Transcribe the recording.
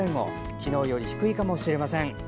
昨日より低いかもしれません。